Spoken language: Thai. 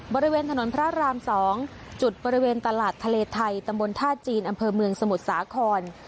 บริเวณถนนพระราม๒จุดบริเวณตลาดทะเลไทยตำบลท่าจีนอำเภอเมืองสมุทรสาคร